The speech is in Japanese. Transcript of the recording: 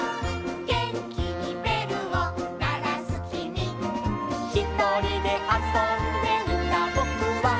「げんきにべるをならすきみ」「ひとりであそんでいたぼくは」